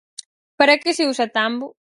Para que se usa Tambo?